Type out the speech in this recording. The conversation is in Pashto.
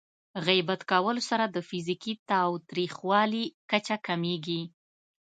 غیبت کولو سره د فزیکي تاوتریخوالي کچه کمېږي.